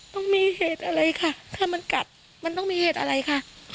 ต้องมีเหตุอะไรค่ะถ้ามันกัดมันต้องมีเหตุอะไรค่ะ